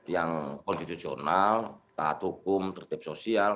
yang konstitusional taat hukum tertib sosial